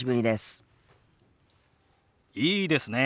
いいですねえ。